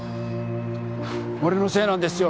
俺のせいなんですよ